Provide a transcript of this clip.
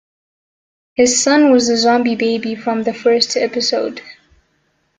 His son was the zombie baby from the first episode.